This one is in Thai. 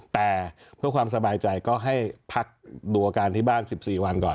แต่เพื่อความสบายใจก็ให้พักดูอาการที่บ้าน๑๔วันก่อน